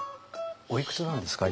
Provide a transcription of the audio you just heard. おいくつなんですか？